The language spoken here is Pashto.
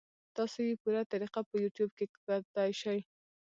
تاسو ئې پوره طريقه پۀ يو ټيوب کتے شئ -